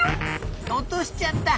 おとしちゃった。